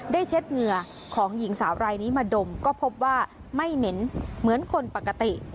เช็ดเหงื่อของหญิงสาวรายนี้มาดมก็พบว่าไม่เหม็นเหมือนคนปกติ